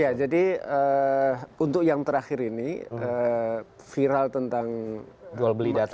ya jadi untuk yang terakhir ini viral tentang jual beli data